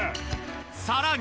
さらに。